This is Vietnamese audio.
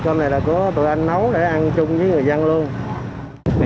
cơm này là của tụi anh nấu lại ăn chung với người dân luôn